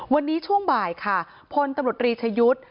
วันนี้ช่วงบ่ายค่ะพลตำรวจรีชยุทธ์